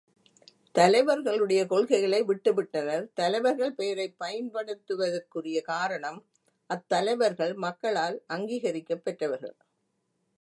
தலைவர்களுடைய கொள்கைகளை விட்டு விட்டனர். தலைவர்கள் பெயரைப் பயன்படுத்துவதற்குரிய காரணம் அத்தலைவர்கள் மக்களால் அங்கீகரிக்கப் பெற்றவர்கள்.